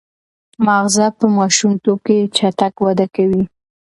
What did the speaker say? ماغزه په ماشومتوب کې چټک وده کوي.